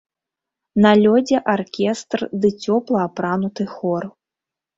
На лёдзе аркестр ды цёпла апрануты хор.